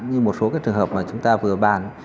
như một số cái trường hợp mà chúng ta vừa bàn